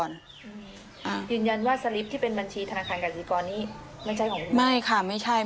ยืนยันว่าสลิปที่เป็นบัญชีธนาคารกสิกรนี่